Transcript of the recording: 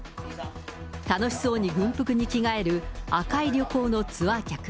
楽しそうに軍服に着替える紅い旅行のツアー客。